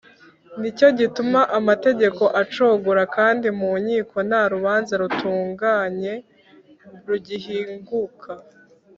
ni cyo gituma amategeko acogora kandi mu nkiko nta rubanza rutunganye rugihinguka